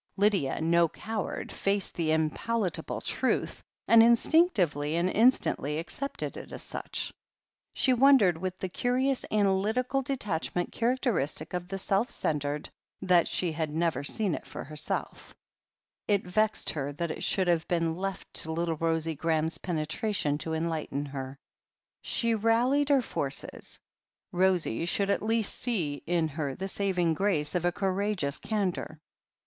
Lydia, no coward, faced the unpalatable truth, and instinctively and instantly accepted it as such. She wondered, with the curious analytical detach ment characteristic of the self centred, that she had never seen it for herself. It vexed her that it should have been left to Uttle Rosie Graham's penetration to enlighten her. r 172 THE HEEL OF ACHILLES She rallied her forces. Rosie should at least see in her the saving grace of a courageous candour.